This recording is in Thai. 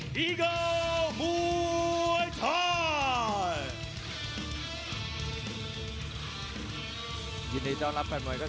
สวัสดีครับทุกคน